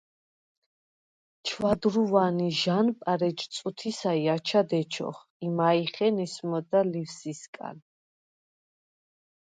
ჩვადრუვან ი ჟ’ანპარ ეჯ წუთისა ი აჩად ეჩოხ, იმა̈ჲხენ ისმოდა ლივსისკა̈ლ.